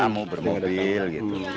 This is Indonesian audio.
iya tamu bermobil gitu